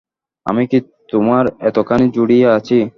আমি কি তোমারএতখানি জুড়িয়া আছি।